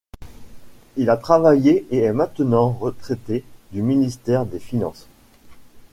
Il a travaillé et est maintenant retraité du Ministère des Finances.